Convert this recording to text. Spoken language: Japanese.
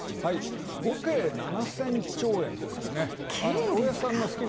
５京７０００兆円ですよね。